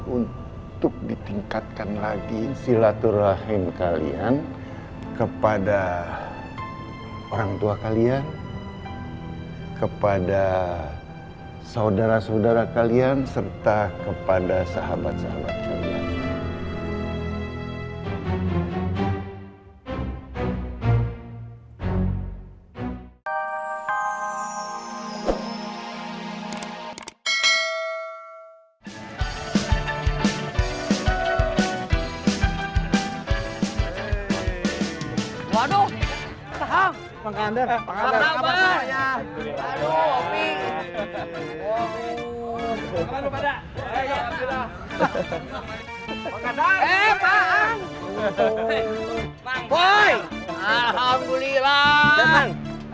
untuk ditingkatkan lagi silaturahim kalian kepada orang tua kalian kepada saudara saudara kalian serta kepada sahabat sahabat kalian